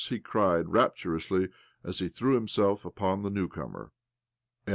he cried raptur ously as he threw himself дрюп the new cotnfer.